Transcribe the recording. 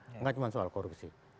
bukan cuma soal korupsi